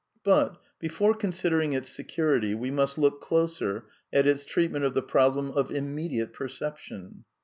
But, before considering its security, we must look closer at its treatment of the problem of immediate perception.